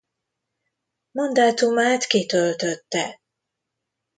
Mandátumát kitöltötte.